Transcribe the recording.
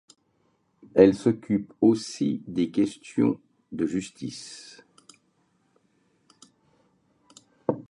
Elle s'occupe aussi des questions de justice.